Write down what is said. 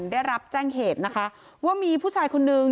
ได้รับแจ้งเหตุนะคะว่ามีผู้ชายคนนึง